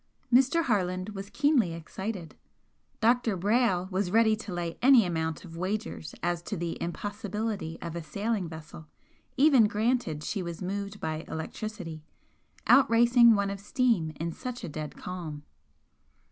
Mr. Harland was keenly excited; Dr. Brayle was ready to lay any amount of wagers as to the impossibility of a sailing vessel, even granted she was moved by electricity, out racing one of steam in such a dead calm.